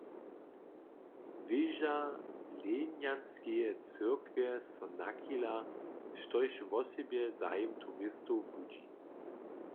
Wěža Lejnjanskeje cyrkwje so nachila, štož wosebje zajim turistow budźi.